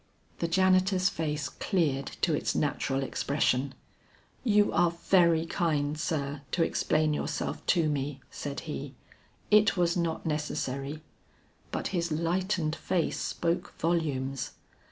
The janitor's face cleared to its natural expression. "You are very kind, sir, to explain yourself to me," said he; "it was not necessary." But his lightened face spoke volumes.